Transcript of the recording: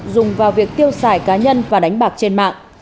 dùng vào việc tiêu xài cá nhân và đánh bạc trên mạng